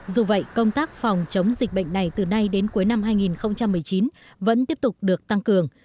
dù vậy công tác phòng chống dịch bệnh này từ nay đến cuối năm hai nghìn một mươi chín vẫn tiếp tục được tăng cường